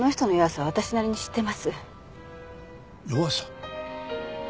弱さ？